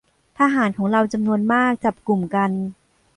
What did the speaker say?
ทหารของเราจำนวนมากจับกลุ่มกัน